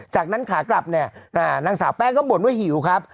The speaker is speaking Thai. จากนั้นขากลับเนี่ยนางสาวแป้งก็บ่นว่าหิวครับ